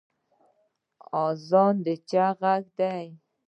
اذان د څه غږ دی؟